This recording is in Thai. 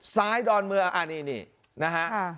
ซ้ายดอนเมืองอ่ะนี่นะฮะ